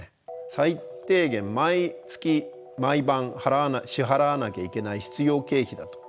最低限毎月毎晩支払わなきゃいけない必要経費だと思って下さい。